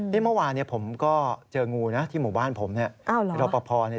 ทีเมื่อวานผมก็เจองูแนะที่หมู่บ้านผมเนี่ย